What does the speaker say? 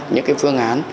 những cái phương án